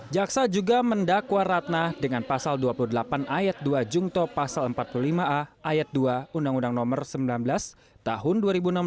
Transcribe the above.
jaksa juga mendakwa ratna dengan pasal dua puluh delapan ayat dua jungto pasal empat puluh lima a ayat dua undang undang nomor sembilan belas tahun dua ribu enam belas